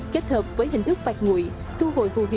kết hợp với hình thức phạt nguội